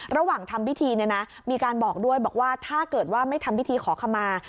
ระหว่างทำพิธีมีการบอกด้วยว่าถ้าไม่ทำพิธีขอขมา